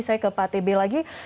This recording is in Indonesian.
saya ke pak t b lagi